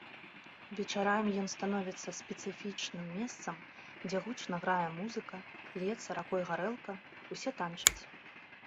Вечарамі ён становіцца спецыфічным месцам, дзе гучна грае музыка, ліецца ракой гарэлка, усе танчаць.